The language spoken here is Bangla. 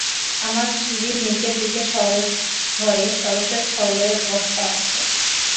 আমার সিঁড়ির নীচের ঘরে সরষের খোলের বস্তা আছে।